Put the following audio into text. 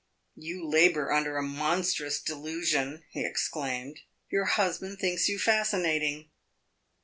"You labor under a monstrous delusion," he exclaimed. "Your husband thinks you fascinating."